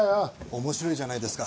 面白いじゃないですか。